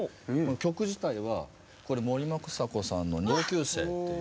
曲自体はこれ森昌子さんの「同級生」っていう曲。